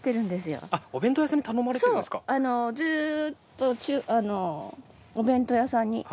ずっとお弁当屋さんに。